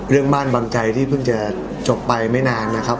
บ้านวังใจที่เพิ่งจะจบไปไม่นานนะครับ